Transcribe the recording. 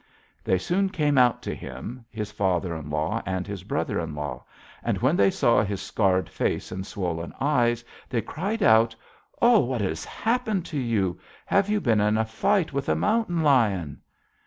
They soon came out to him, his father in law and his brother in law, and when they saw his scarred face and swollen eyes, they cried out: 'Oh, what has happened to you? Have you been in a fight with a mountain lion?'